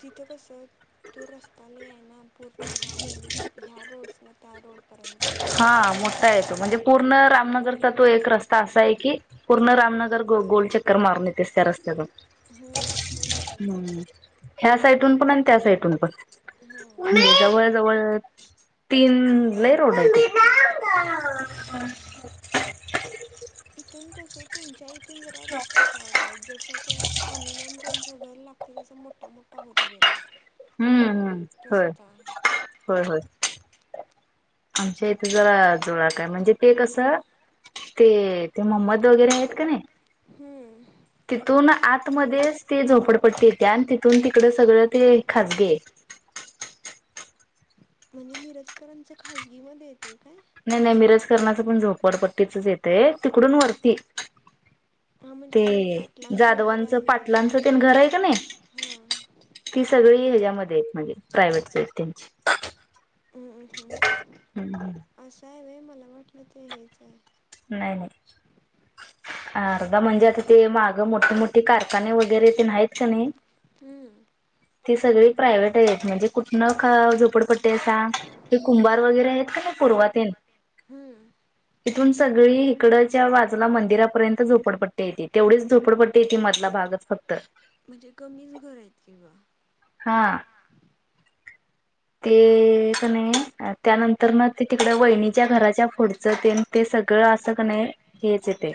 तिथं कस तू रस्ताला आहे ना पूर्ण ह्या गल्ली ह्या रोडस ना त्या रोड हा मोठा आहे तो म्हणजे पूर्ण रामनगरचा तो एक रस्ता असा आहे की पूर्ण रामनगर ग गोल चक्कर मारून येतेस त्या रस्त्यावर हम्म हम्म ह्या साइडून पण आणि त्या साइडून पण म्हणजे जवळ जवळ तीन लै रोड होते ह इथून कस तुमच्या त घराार असता शॉर्टज जसं ते अमिनान त्यां जगरल लातो तससा मोठा मोठा होत गेल हम्म हम्म होय होय होय. [unintelligible] आमच्या इथे जरा जुळा काय म्हणजे ते कसं. ते ते मोहम्मद वगैरे आहेत का नाही. हम् तिथून आतमध्येच ते झोपडपट्टी येते आणि तिथून तिकड सगळं ते खाजगे. म्हणजे मिरजकरांच खाजगी मध्ये येते काय. नाही नाही मिरज करणाच पण झोपडपट्टीचच येतेय तिकडून वरती. ते जाधवांचं पाटलांचं ते घर आहे का नाही. ती सगळी ह्याच्यामध्ये आहेत म्हणजे प्रायवटचे आहेत त्यांची. हम्मम्म हम्म हम्म असं आहे व मला वाटलं ते हेच आहे. नाही नाही. अर्धा म्हणजे. ते माग मोठे मोठे कारखाने वगैरे ते आहीत का नाही. ती सगळी प्रायव्हेट आहेत म्हणजे कुठनं झोपडपट्टी अस कि कुंभ. वगैरे आहेत का नाही पुूर्वातेन इथून सगळी इकडच्या बाजूला मंदिर. झोपडपट्ट्या येत तेवढीच झोपडपट्टी येतती मधला भागच फक्त. ीच घर आहेत किंवा. हा. ते नाही त्यानंतर मग तिकड वहिणीच्या घराच्या फुडचा ते. सगळं असं क नाही घ्यायच ते.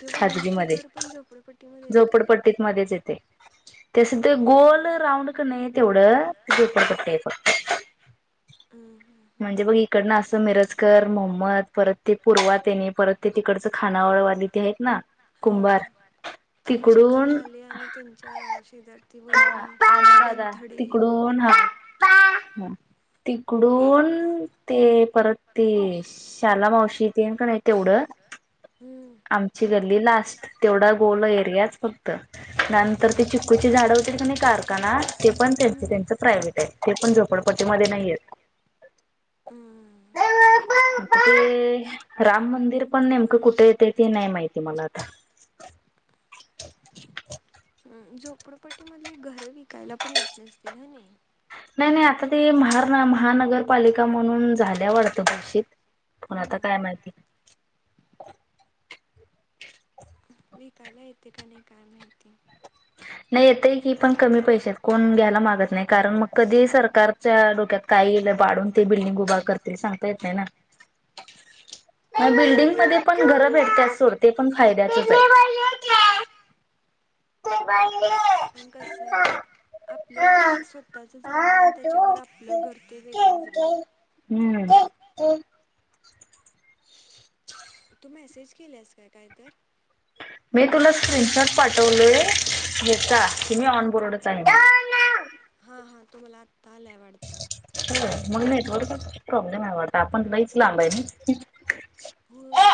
तेव्हा इचं घर पण झोपडपट्टी मध्ये येते्ट. त्यासध गोल राऊंड क नाही तेवढं झोपड पट्टी आहे बघ. म्हणजे बघ इकडनं असं मिरजकर मोहम्मद परत. ते पुूर्वा त्यानी परत ते तिकडचं खाना वळ वाली त आहेत ना. हा हा.. ते चिकनवाले आणि त्यांच्या शेजारथी वहिनी गंथडे हा ह. तिकडून ते परत ते शाला मावशी ते का नाही तेवढं. [unintelligible] आमची गल्ली लास्ट तेवढा गोल एरियाच फक्त. नंतर ते चिक्कूची झाडं होती की नाही कारखाना, ते पण त्यां त्यांच प्रायव्हेट आहे. ते पण झोपड पड पट्टीमध्ये नाहीत. [unintelligible] [unintelligible] [inaudible] राम मंदिर पण नेमकं कुठे येते. ते नाही माहिती मला आता. अम झोपडपट्टी मधले घरं विकायला पण येत नसतील हनि. नाही नाही आता ते महार महानगरपालिका म्हणून झाल्या वाटतं भाशीत. पण आता काय माहिती? विकायला येते का नाही काय माहिती? नाही येतय की पण कमी पैशात कोण घ्यायला मागत नाही कारण मग कधी सरकारच्या डोक्यात काही. पाडून ते बिल्डिंग उभा करतील सांगता येत नाही ना. [unintelligible] म बिल्डिंग मध्ये पण घरं भेटत सोड ते पण फायद्यातच आहे. [unintelligible] ते बाय. कस? आपलं स्वतःच जागा आणि त्याच्यावर आपलं घर ते वेगळंच ग हो मेसेज केल्यास का काय तर मी तुला स्क्रीनशॉट पाठवलय की मी ऑनबोर्डच आहे म्हणून हो तुम्हाला आता आलंय वाटत मग नेटवर्क प्रॉब्लेम आहे वाटता आपण लाई लांब आहे ना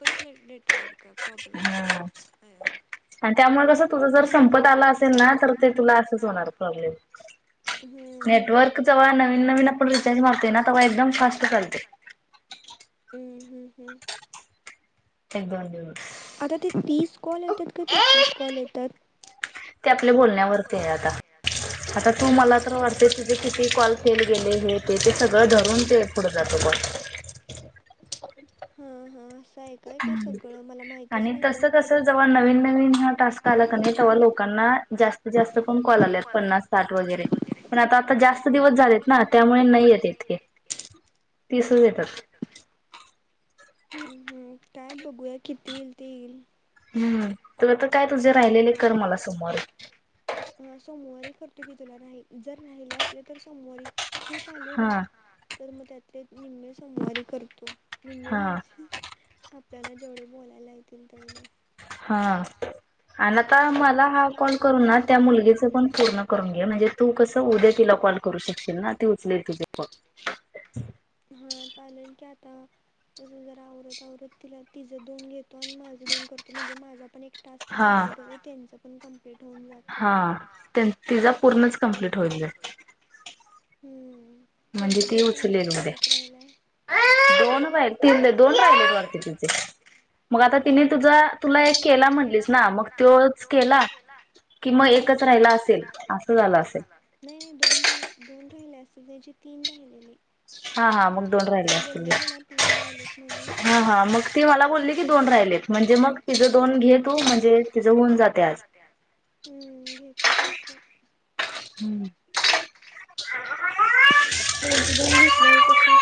कसले नेटवर्क आहे प्रॉब्लेम आहे आणि त्यामुळे कसं तुझं जर संपत आला असेल ना तर ते तुला असंच होणार प्रॉब्लेम हम् नेटवर्क जेव्हा नवीन नवीन आपण रिचार्ज करतो ना तेव्हा एकदम फास्ट चालते हम्म हम्म हम्म बंद आता ते तीस कॉल येतात का ते तीस कॉल येतात ते आपल्या बोलण्यावरती आता आता तू मला तर वाटते तुझे किती कॉल केले गेले हो ते ते सगळं धरून ते पुढं जातो बघ हा हा असं आहे काय ते सगळं आणि तस तस जेव्हा नवीन नवीन टास्क आला क नाही तेव्हा लोकांना जास्तीत जास्त कॉल आ पन्नास साठ वगरे पण आताता जास्त दिवस झालेत ना त्यामुळे नाही येत इतके तिसच येतात हम्म हम् काय बघूया किती येईल ते येईल हम्म काय तुझ राहिलेले कर मला सोमवारी सोमवारी करतो की तुला राहिलेले जर राहिले असले तर सोमवारी खूप आले ना तर मग त्यात निम्मे सोमवारी करतो निम्मे म्हणजे त्यांना जेवढे बोलायला येतील तेवढे हा आणि आता मला हा कॉल करून ना त्या मुलगीच पण पूर्ण करून घे म्हणजे तू कसं उद्या तिला कॉल करू शकशील ना ती उचलेल तुजे कॉल हा चालेल की आजुन जरा आवरत आवरत तिला तिझं दोन घेतो आणि माझ दोन करतो म्हणजे माझा पण एक टास्क कंप्लिट होऊदे हा तिज पूर्णच कंप्लीट होईल ग हम्म त्यांचे दोन राहिल्यात का एक राहिलाय दोन राहिलेत वाटत तिचे मग आता तिने तुझा तुला एक केला केला म्हटलीस ना मग तोच केला मग एकच राहिला असेल अस झालं असेल नाही दोन राहिले असत त्याची तीन राहिलेली हा हा मग दोन राहिले असतील हा हा मग ती मला बोलली की दोन राहिले म्हणजे मग तिच दोन घे तू म्हणजे तिच होऊन जाते आज घेतोय हम्म त्यांचे दोन घेतलंवर कसं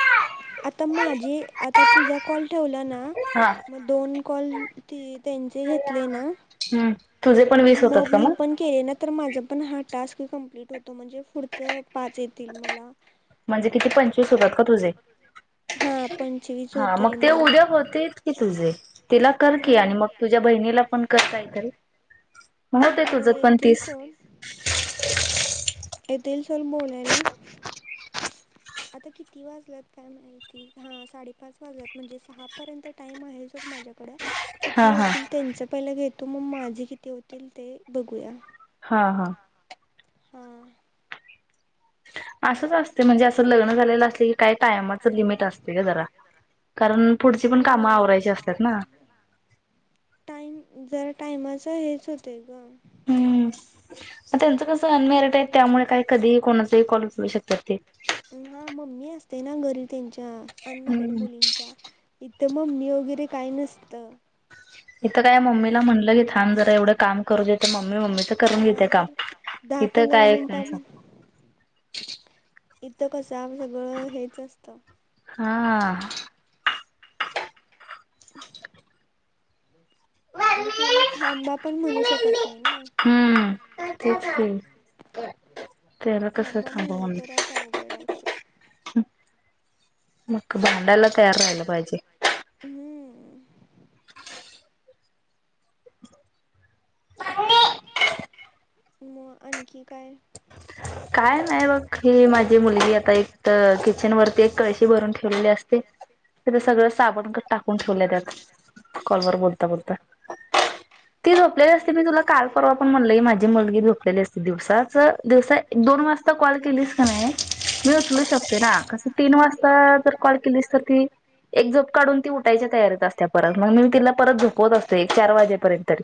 आता माझे आता तुझा कॉल ठेवला ना मग दोन कॉल त त्यांचे घेतले ना आणि मग मी पण केले ना तर माझ पण हा टास्क कंप्लीट होतो म्हणजे पुढचं म्हणजे किती पंचवीस होतात का तुझे हा मग ते उद्या होते की तुझे तिला कर की आणि मग तुझ्या बहिणीला पण कर काहीतरी हो ते तुझत पण तीस येथ सोल बोलायला आता किती वाजल्यात काय माहिती हा साडेपाच वाजल्यात म्हणजे सहा पर्यंत टाइम आहे ज माझ्याकडे किती होतील त्यांच पहिला घेतो मग माझे किती होतील ते बघूया हा हा हा असंच असते म्हणजे असं लग्न झालेलं असलं की काही टायमाच लिमिट असते का जरा कारण पुढची पण कामं आवरायची असतात ना टाइम जरा टाइमाच हेच होते ग त्यांच कस अनमॅरड त्यामुळे काही कधी कोणाचाही कॉल करू शकतात ते ते ना घरी त्यांच्या अनमॅरिड मुलींच्या इथं मम्मी वगैरे काही नसत इथं काय मम्मीला म्हणलं की थांब जरा एवढं काम करू देेत मम्मी मम्मीच करून घेते काम तिथं काय कोणच ह इथं कसं सगळं हेच असतं हा अ आणि कुणीला थांबा पण म्हणू शकत नाही ना तेलाकसे खांबन हम् भांडायला तयार राहिलं पाहिजे मग आणखी काय काय नाही बघ ही माझी मुलगी आता एक किचन वरती एक कळशी भरून ठेवलेली असते तिथ सगळं आपण टाकून ठेवल्या त्यात कॉलवर बोलता बोलता ती झोपलेली असते मी तुला काल परवा पण म्हणल माझी मुलगी झोपलेली असते दिवसा दिवसा दोन कॉल केलीस का नाही मी उचलू शकते ना कस तीन वाजता जर कॉल केलीस तर ती एक झोप काढून ती उठायच्या तयारीत असते परत मग मी मी तिला परत झोपवत असतेो एक चार वाजेपर्यंत तरी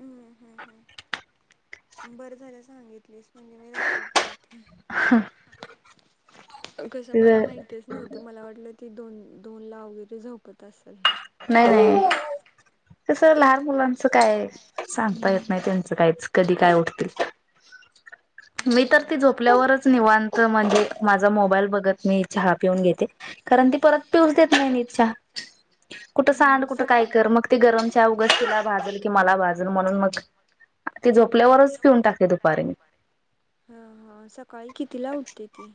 हम्म हम् हम् बरं झालं सांगितलीस म्हणजे सत होत कसं मला माहितच नव्हतं मला वाटलं ते दोन दोन ला वगैरे झोपत असेल नाही नाही तस लहान मुलांचं काय सांगता येत नाही त्यांचं कायच कधी काय उठतील ह मी तर ती झोपल्यावरच निवांत म्हणजे माझा मोबाईल बघत मी चहा पिऊन घेते ती परत पिऊस देत नाही निच्या कुठं सांड कुठं काय कर मग ते गरमच्या उगच तुला भाजेल की मला भाजल म्हणून मग तेी झोपल्यावरच पिऊन टाकते दुपारीने ह सकाळी कितीला उठते ती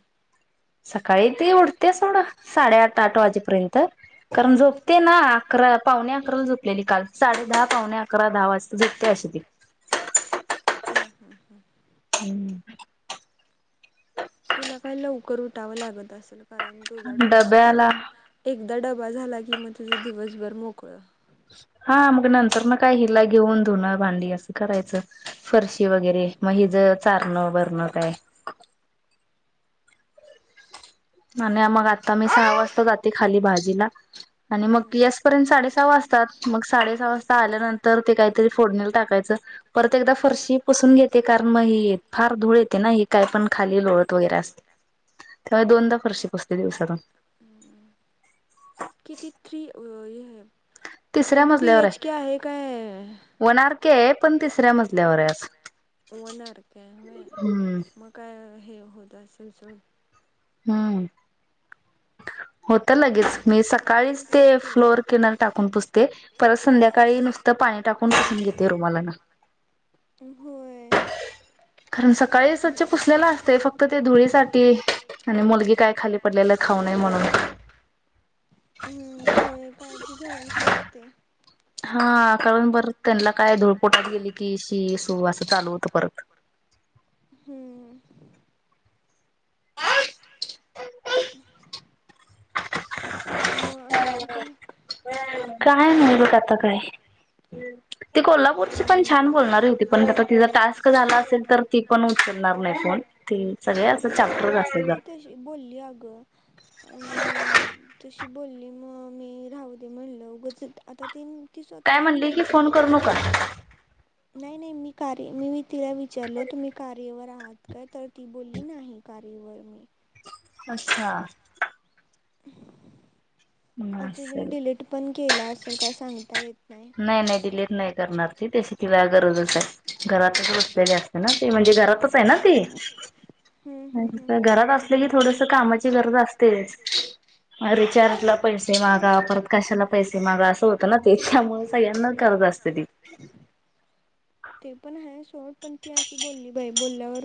सकाळी तेी उठते सोडा साडेआठ आठ वाजे कारण झोपते ना अकरा पावणे अकरा झोपलेली साडे दहा पावले अकरा मस्त झोपते अशी ती हम्म तुला काही लवकर उठावं लागत असेल कारण तुझा डबा असेल दा डबा झाला की मग तुझं दिवसभर मोकळ हा मग नंतर म काही हिल्ला घेऊन धुणं भांडी असं करायचं फरशी वगैरे मग हि ज चारणं बरणं काय आणि मग आता मी सहा वाजता जाते खाली भाजी र् स मजल्यांत टाकाय परत एक फरशीसून घेते कारण मगार धूळ येते नाही का ख लो वगैरे अस दोनदा फरशीप असते दिवसाातून किती थ्री तिसऱ्या मजल्यावर आहे वन आरके आहे पण तिसऱ्या मजल्या लव होणार का मग काय हे होत असलसल हम्म हो तर लगेच मी सकाळीच ते फ्लोअर किनर टाकून पुजते परत संध्याकाळी नुसतं पाणी टाकून कसून घेते रुमाला ना ह हो ह कारण सकाळी स्वच्छ पुसलेला असते फक्त ते धुळीसाठी आणि मुलगी काय खाली पडलेलं खाऊ नये म्हणून हम्म होय काळजी घ्यावीच लागते हा कारण बर त्यांना काय धूळपोटात गेली की शी सुू असं चालू होतं परत हम्म ह मग कठी काय काय म्हल आता काय ती कोल्हापूरची पण छान बोलणार ट झा असेल तर त पण उचलणार नाही सगळे तिती तशी बोलली अगं आणि तशी बोलली मग मी राहू दे म्हणलं उघच आता ती काय म्हणले की फोन करू नका नाही नाही मी कार्य मी मी तिला विचारलो तुम्ही कार्यवर आहात का तर ती बोली नाही कारवर मी अच्छा आता तने डिलीट पण केला असेल काय सांगता येत नाही नाही डिलीट नाही करणार ती त्याशी तिला गरजच आहे घरातच रोसलेली असते ना ते म्हणजे घरातच आहे ना तेी घरात असले की थोडस कामाची गरज असतेच रिचार्ज ला पैसे मागा परत कशाला पैसे मागा असं होत ना ते त्यामुळे सगळ्यांना ह कतास्त्री ते पण ह सोळपंतीी अशी बोलली बाई बोलल्यावर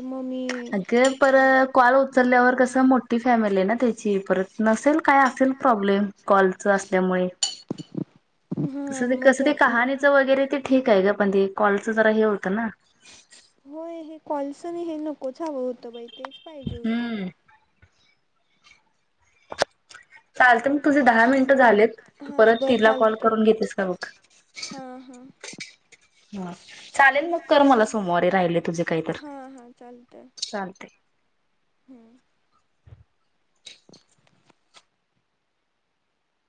अगे पर कल उचलल्यावर कसं मोठी फॅमिली आहे ना त्याची परत नसेल काय असेल प्रॉब्लेम कॉलच असल्यामुळे तस ते कसं ते कहाणीचं वगैरे ते ठीक आहे का पण ते कॉल ज होत होय हे कॉल्स नाही हे नकोच हवं होतं बाई तेच पाहिजे होतं चालत म तुझ दहा मिनट झालेू परत तिला कॉल करून घेतेस का म ह चालेल मग कर मला सोमवारी राहिले तुझे काही तर चालते हम्म